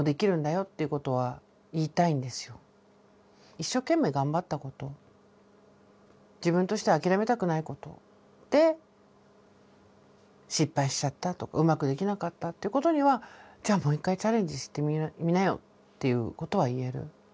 一生懸命頑張ったこと自分としては諦めたくないことで失敗しちゃったとうまくできなかったっていうことにはっていうことは言える。